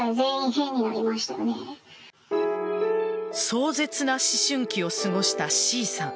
壮絶な思春期を過ごしたＣさん。